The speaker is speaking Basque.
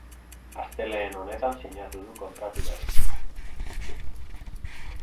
Astelehen honetan sinatu du kontratu berritzea.